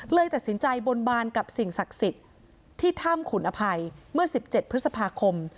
เลยตัดสินใจบนบานกับสิ่งศักดิ์สิทธิ์ที่ถ้ำขุนอภัยเมื่อ๑๗พฤษภาคม